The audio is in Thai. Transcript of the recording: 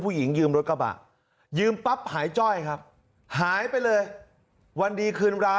ผู้หญิงยืมรถกล้าบาทยืมปั๊บหายจ้อยครับหายไปเลยวันดีคืน